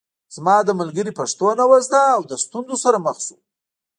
زما ملګري پښتو نه وه زده او ستونزو سره مخ شو